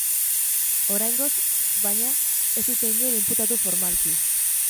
Oraingoz, baina, ez dute inor inputatu formalki.